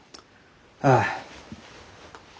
ああ。